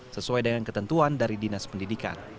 sesuai dengan ketentuan dari dinas pendidikan